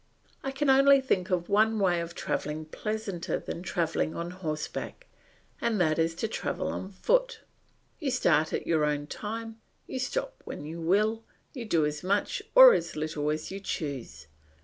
I can only think of one way of travelling pleasanter than travelling on horseback, and that is to travel on foot. You start at your own time, you stop when you will, you do as much or as little as you choose.